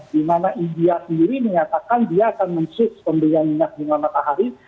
dimana india sendiri menyatakan dia akan mensuit pembelian minyak bunga matahari